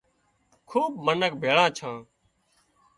خوٻ منک ڀِيۯان ڇان